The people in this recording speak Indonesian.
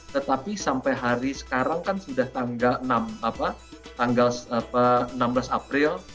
tetapi sampai hari sekarang kan sudah tanggal enam belas april